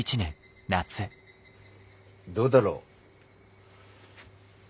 どうだろう？